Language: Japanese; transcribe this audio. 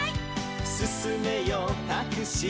「すすめよタクシー」